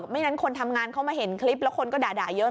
ไม่งั้นคนทำงานเขามาเห็นคลิปแล้วคนก็ด่าเยอะ